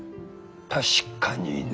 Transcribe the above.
確かにね。